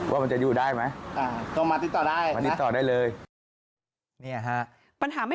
ว่ามันจะอยู่ได้ไหม